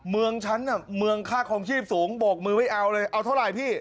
เมืองฉันน่ะเมืองค่าคลองชีพสูงโบกมือไม่เอาเลยเอาเท่าไหร่พี่